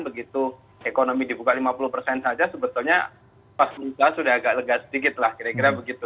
begitu ekonomi dibuka lima puluh persen saja sebetulnya pas sudah agak lega sedikit lah kira kira begitu